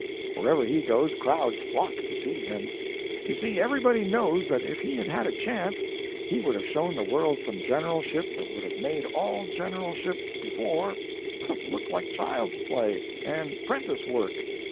Wherever he goes, crowds flock to see him. You see, everybody knows that if he had had a chance he would have shown the world some generalship that would have made all generalship before look like child's play and 'prentice work.